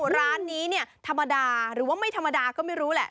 ร้านนี้เนี่ยธรรมดาหรือว่าไม่ธรรมดาก็ไม่รู้แหละ